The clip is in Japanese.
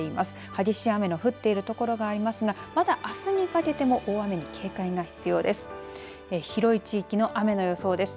激しい雨の降っている所がありますがまだ、あすにかけても大雨に警戒が必要です。